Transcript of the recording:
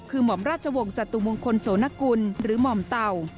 คือหม่อมราชวงศ์จตุมงคลโสนกุลหรือหม่อมเต่า